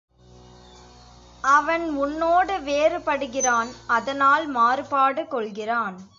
அவன் உன்னோடு வேறுபடுகிறான் அதனால் மாறுபாடு கொள்கிறான்.